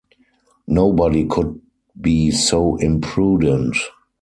Nobody could be so imprudent!